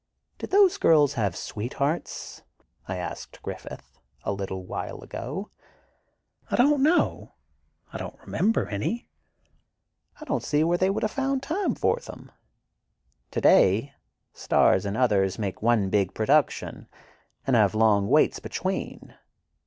"Did those girls have sweethearts?" I asked Griffith, a little while ago. "I don't know; I don't remember any. I don't see where they would have found time for them. Today, stars and others make one big production, and have long waits between.